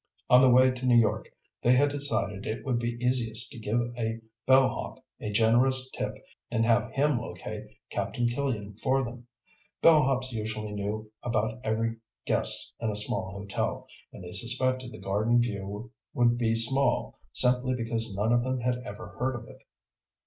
On the way to New York they had decided it would be easiest to give a bellhop a generous tip and have him locate Captain Killian for them. Bellhops usually knew about every guest in a small hotel, and they suspected the Garden View would be small simply because none of them had ever heard of it.